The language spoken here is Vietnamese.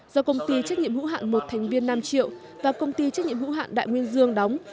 do công ty trách nhiệm hữu hạn một thành viên nam triệu và công ty trách nhiệm hữu hạn đại nguyên dương đóng